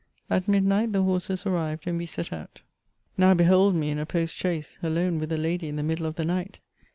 At midnight the horses arrived, and we set out. Now behold me in a post chaise, alone with a lady in the middle of the night.